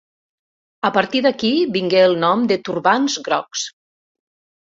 A partir d'aquí vingué el nom de Turbants Grocs.